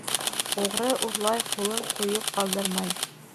Уғры урлай, ҡулын ҡуйып ҡалдырмай.